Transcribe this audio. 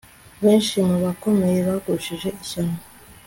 benshi mu bakomeye bagushije ishyano